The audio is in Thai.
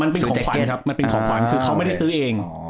มันเป็นของขวัญครับมันเป็นของขวัญคือเขาไม่ได้ซื้อเอง